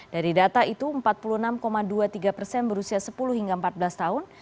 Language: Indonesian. dari data itu empat puluh enam dua puluh tiga persen berusia sepuluh hingga empat belas tahun